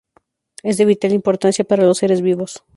Es de vital importancia para los seres vivos.